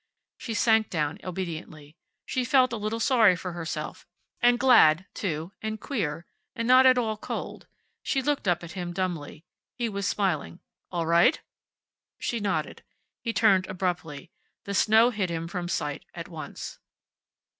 She sank down obediently. She felt a little sorry for herself, and glad, too, and queer, and not at all cold. She looked up at him dumbly. He was smiling. "All right?" She nodded. He turned abruptly. The snow hid him from sight at once.